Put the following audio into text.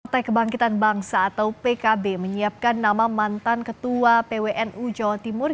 partai kebangkitan bangsa atau pkb menyiapkan nama mantan ketua pwnu jawa timur